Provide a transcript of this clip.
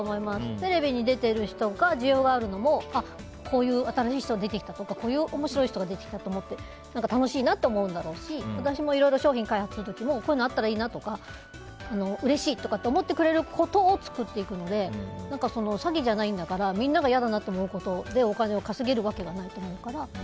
テレビに出てる人が需要があるのもこういう新しい人が出てきたとか面白い人が出てきたと思って楽しいなって思うんだろうし私もいろいろ商品開発する時もこういうものがあったらいいなとかうれしいっていうものを作っていくので詐欺じゃないんだからみんなが嫌だなって思うことでお金を稼げるわけないと思うから。